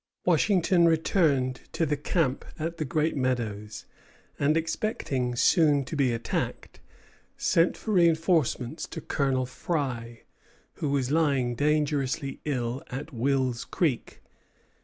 Washington returned to the camp at the Great Meadows; and, expecting soon to be attacked, sent for reinforcements to Colonel Fry, who was lying dangerously ill at Wills Creek.